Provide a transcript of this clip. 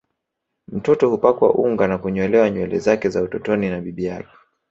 Mtoto hupakwa unga na kunyolewa nywele zake za utotoni na bibi yake